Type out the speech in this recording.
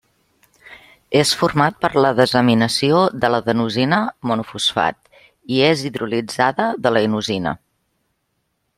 És format per la desaminació de l'adenosina monofosfat, i és hidrolitzada de la inosina.